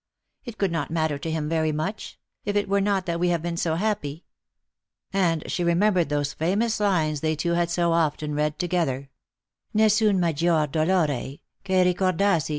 It could not matter to him very much ; if it were not that we have been so happy." And she remem bered those famous lines they two had so often read together :" Nossun maggior dolore, Che ricordarsi.